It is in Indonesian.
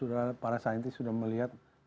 ya ini sebenarnya sudah para saintis sudah mengatakan ya